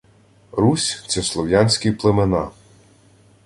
Русь – це слов'янські племена